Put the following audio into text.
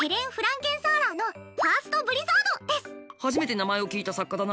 初めて名前を聞いた作家だな。